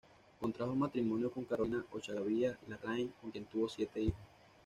Contrajo matrimonio con Carolina Ochagavía Larraín, con quien tuvo siete hijos.